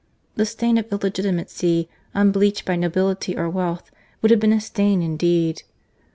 —The stain of illegitimacy, unbleached by nobility or wealth, would have been a stain indeed.